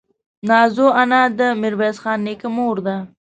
نازو انا دې ميرويس خان نيکه مور ده.